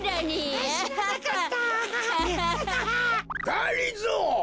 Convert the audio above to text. がりぞー！